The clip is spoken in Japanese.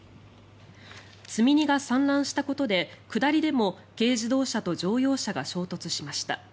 積み荷が散乱したことで下りでも軽自動車と乗用車が衝突しました。